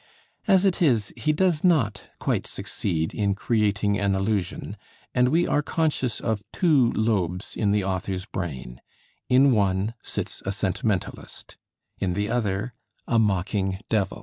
As it is, he does not quite succeed in creating an illusion, and we are conscious of two lobes in the author's brain; in one sits a sentimentalist, in the other a mocking devil.